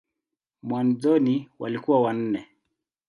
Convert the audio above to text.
Mwanzoni walikuwa wanne.